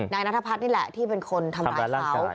นายนัทพัฒน์นี่แหละที่เป็นคนทำร้ายเขา